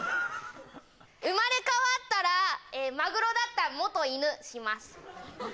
生まれ変わったらマグロだった元犬します